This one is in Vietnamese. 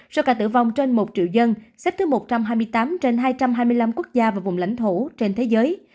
số ca tử vong trên một triệu dân xếp thứ một trăm hai mươi tám trên hai trăm hai mươi năm quốc gia và vùng lãnh thổ trên thế giới